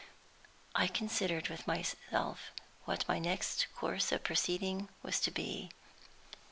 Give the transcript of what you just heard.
I considered with myself what my next course of proceeding was to be.